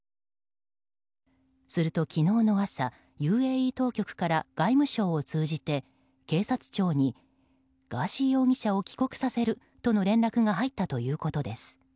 すると、昨日の朝ＵＡＥ当局から外務省を通じて、警察庁にガーシー容疑者を帰国させるとの連絡が入ったということです。